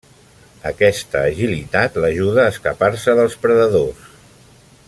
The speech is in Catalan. Aquesta agilitat l'ajuda a escapar-se dels predadors.